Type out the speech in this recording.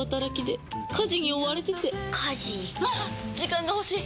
時間が欲しい！